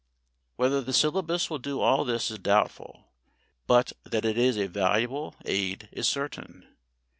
Whether the syllabus will do all this is doubtful, but that it is a valuable aid is certain.